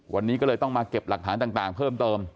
วันนี้ก็เลยต้องมาเก็บหลักฐานต่างเพิ่มเติม